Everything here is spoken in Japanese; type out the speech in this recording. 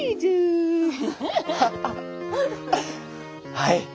はい！